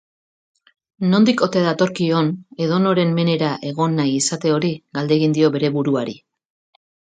Nondik ote datorkion edonoren menera egon nahi izate hori galdegin dio bere buruari.